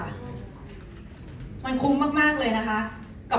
อ๋อแต่มีอีกอย่างนึงค่ะ